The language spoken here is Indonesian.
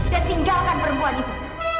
dan tinggalkan perempuan itu